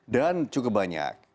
dan cukup banyak